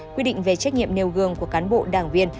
quy định về trách nhiệm nêu gương của cán bộ đảng viên